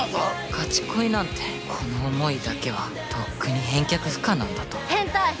ガチ恋なんてこの思いだけはとっくに返却不可なんだと変態！